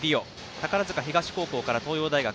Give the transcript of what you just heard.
宝塚東高校から東洋大学。